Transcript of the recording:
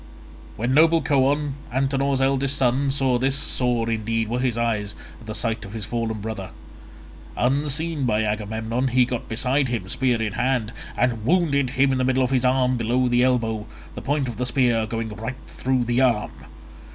When noble Coon, Antenor's eldest son, saw this, sore indeed were his eyes at the sight of his fallen brother. Unseen by Agamemnon he got beside him, spear in hand, and wounded him in the middle of his arm below the elbow, the point of the spear going right through the arm.